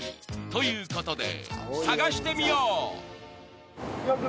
［ということで探してみよう］